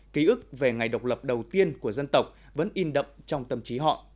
ký ức về ngày độc lập đầu tiên của dân tộc vẫn in đậm trong tâm trí họ